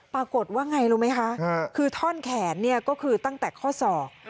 ปรากฏว่าไงรู้ไหมคะคือท่อนแขนเนี่ยก็คือตั้งแต่ข้อศอก